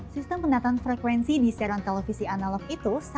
sistem pendataan frekuensi di siaran televisi analog itu